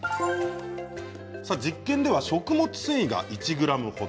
実験では食物繊維が１ｇ程。